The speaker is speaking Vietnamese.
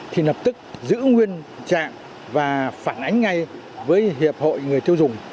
thì lập tức giữ nguyên trạng và phản ánh ngay với hiệp hội người tiêu dùng